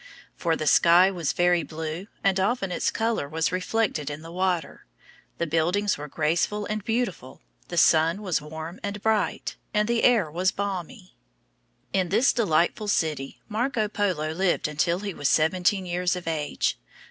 For the sky was very blue, and often its color was reflected in the water; the buildings were graceful and beautiful, the sun was warm and bright, and the air was balmy. [Illustration: A Scene in Venice.] In this delightful city Marco Polo lived until he was seventeen years of age.